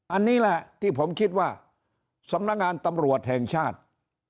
อันนี้แหละที่ผมคิดว่าสำนักงานตำรวจแห่งชาติ